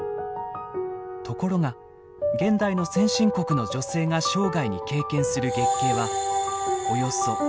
ところが現代の先進国の女性が生涯に経験する月経はおよそ４５０回。